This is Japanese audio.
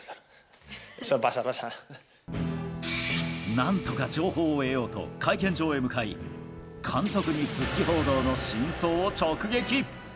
なんとか情報を得ようと、会見場へ向かい、監督に復帰報道の真相を直撃。